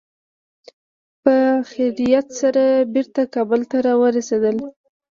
په خیریت سره بېرته کابل ته را ورسېدل.